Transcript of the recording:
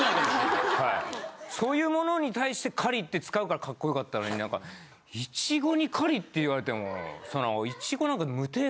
そういうものに対して狩りって使うからカッコよかったのになんかイチゴに狩りって言われてもその。